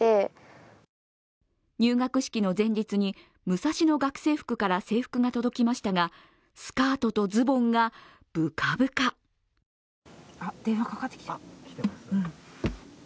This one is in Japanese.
入学式の前日にムサシノ学生服から制服が届きましたが、スカートとズボンがぶかぶか。